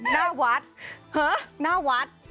หน้าวัด